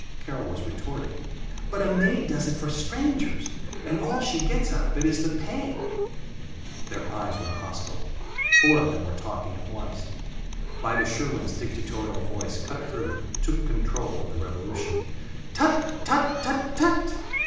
Carol was retorting, "But a maid does it for strangers, and all she gets out of it is the pay " Their eyes were hostile. Four of them were talking at once. Vida Sherwin's dictatorial voice cut through, took control of the revolution: "Tut, tut, tut, tut!